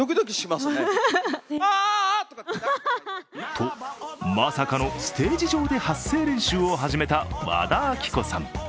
とまさかのステージ上で発声練習を始めた和田アキ子さん。